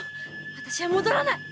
私は戻らない。